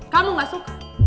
kamu gak suka